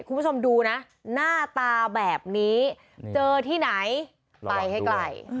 คุณผู้ชมดูนะหน้าตาแบบนี้เจอที่ไหนไปให้ไกล